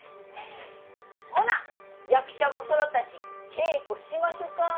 ほな役者もそろたし稽古しましょか。